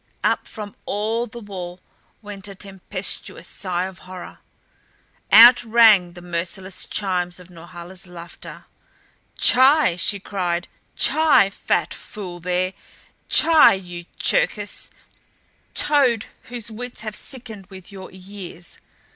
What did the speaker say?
Up from all the wall went a tempestuous sigh of horror. Out rang the merciless chimes of Norhala's laughter. "Tchai!" she cried. "Tchai! Fat fool there. Tchai you Cherkis! Toad whose wits have sickened with your years!